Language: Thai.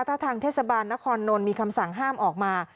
ถ้าทางเทศบาลนครนนท์มีคำสั่งห้ามออกมา